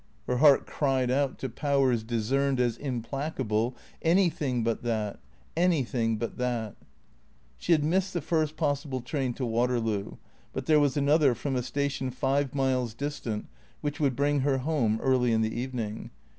Her heart cried out to powers discerned as implacable, " Anything but that ! Any thing but that !" She had missed the first possible train to Waterloo, but there was another from a station five miles distant which would bring her home early in the evening.